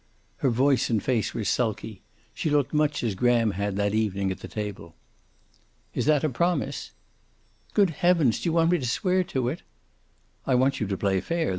Her voice and face were sulky. She looked much as Graham had that evening at the table. "Is that a promise?" "Good heavens, do you want me to swear to it?" "I want you to play fair.